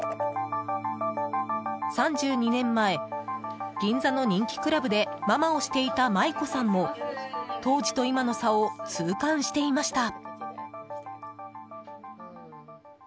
３２年前、銀座の人気クラブでママをしていた舞妓さんも当時と今の差を痛感していました。